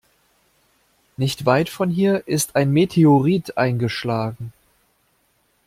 Nicht weit von hier ist ein Meteorit eingeschlagen.